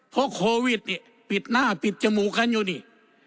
เพราะโควิดนี่ปิดหน้าปิดจมูกกันอยู่นี่